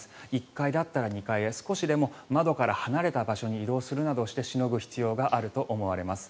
１階だったら２階へ少しでも窓から離れた場所に移動するなどしてしのぐ必要があると思われます。